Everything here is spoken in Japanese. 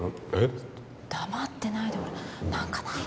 ちょっと黙ってないでほら何かないの？